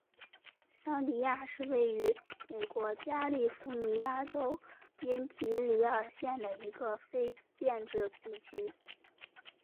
桑迪亚是位于美国加利福尼亚州因皮里尔县的一个非建制地区。